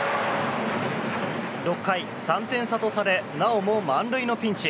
６回、３点差とされなおも満塁のピンチ。